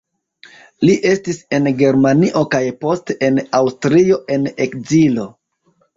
Li estis en Germanio kaj poste en Aŭstrio en ekzilo.